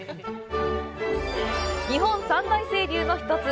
日本三大清流の一つ